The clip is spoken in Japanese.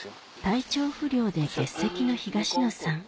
体調不良で欠席の東野さん